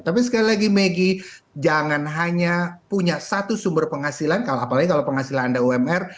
tapi sekali lagi maggie jangan hanya punya satu sumber penghasilan kalau apalagi kalau penghasilan anda umr